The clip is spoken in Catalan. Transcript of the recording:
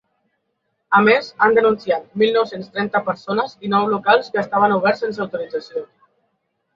A més, han denunciat mil nou-cents trenta persones i nou locals que estaven oberts sense autorització.